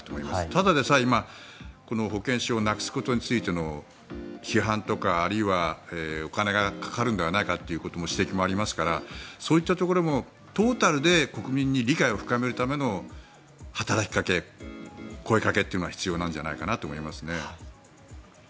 ただでさえ今保険証をなくすことについての批判とかあるいはお金がかかるのではないかという指摘もありますからそういったところもトータルで国民に理解を深めるための働きかけ、声掛けが必要ではと思いますね。